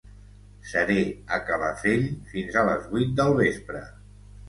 Seré a Calafell fins a les vuit del vespre.